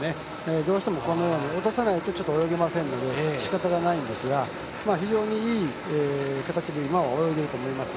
どうしても落とさないと泳げませんのでしかたがないんですが非常にいい形で今は泳いでると思いますね。